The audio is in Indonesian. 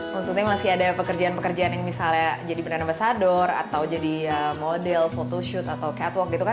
maksudnya masih ada pekerjaan pekerjaan yang misalnya jadi benda ambasador atau jadi model photoshoot atau catwalk gitu kan